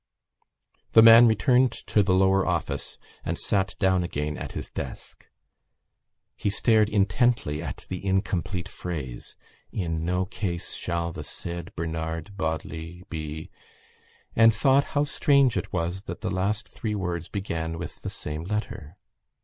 _ The man returned to the lower office and sat down again at his desk. He stared intently at the incomplete phrase: In no case shall the said Bernard Bodley be ... and thought how strange it was that the last three words began with the same letter.